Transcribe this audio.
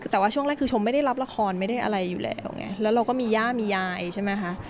แต่ว่าช่วงแรกคือชมไม่ได้รับละครไม่ได้อะไรอยู่แล้วไงแล้วเราก็มีย่ามียายใช่ไหมคะ